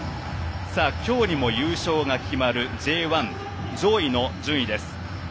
今日にも優勝が決まるＪ１上位の順位です。